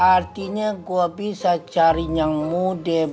artinya gue bisa cari nyamuk lo bek